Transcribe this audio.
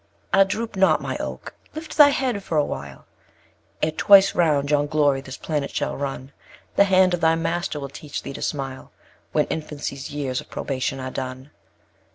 5. Ah, droop not, my Oak! lift thy head for a while; Ere twice round yon Glory this planet shall run, The hand of thy Master will teach thee to smile, When Infancy's years of probation are done.